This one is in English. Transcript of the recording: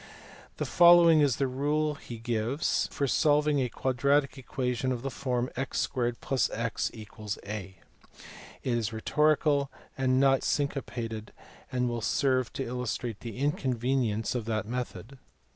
The following is the rule he gives (edition of 1494, p. 145) for solving a quadratic equation of the form x 2 + x = a : it is rhetorical and not synco pated, and will serve to illustrate the inconvenience of that method.